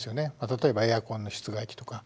例えばエアコンの室外機とか。